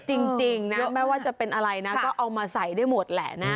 จริงนะไม่ว่าจะเป็นอะไรนะก็เอามาใส่ได้หมดแหละนะ